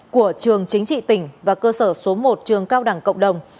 của trường chính trị tỉnh và cơ sở số một trường cao đẳng cộng đồng